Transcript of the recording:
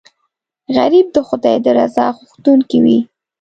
غریب د خدای د رضا غوښتونکی وي